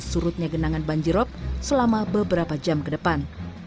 surutnya genangan banjir rok selama beberapa jam ke depan